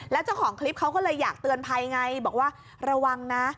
แล้วเจ้าของคลิปเขาก็เลยอยากเตือนภัยไงบอกว่าระวังนะ